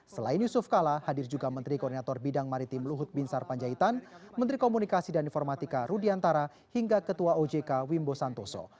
selain yusuf kala hadir juga menteri koordinator bidang maritim luhut binsar panjaitan menteri komunikasi dan informatika rudiantara hingga ketua ojk wimbo santoso